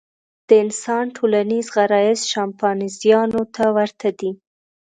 د انسان ټولنیز غرایز شامپانزیانو ته ورته دي.